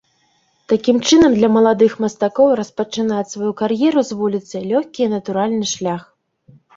Такім чынам, для маладых мастакоў распачынаць сваю кар'еру з вуліцы лёгкі і натуральны шлях.